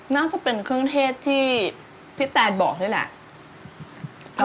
น่าจะเป็นเครื่องเทศที่พี่แตนบอกนี่แหละ